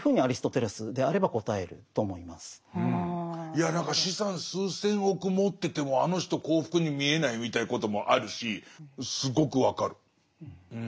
いや何か資産数千億持っててもあの人幸福に見えないみたいなこともあるしすごく分かる。